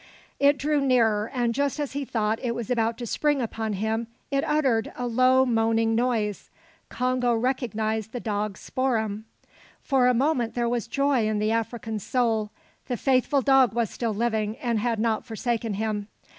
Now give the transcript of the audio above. It drew nearer; and just as he thought it was about to spring upon him, it uttered a low, moaning noise. Congo recognised the dog Spoor'em. For a moment there was joy in the African's soul. The faithful dog was still living, and had not forsaken him.